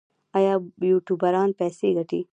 آیا یوټیوبران پیسې ګټي؟